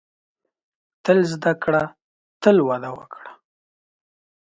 • تل زده کړه، تل وده وکړه.